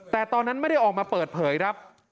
แต่ตอนนั้นไม่ได้ออกมาเปิดเผยครับ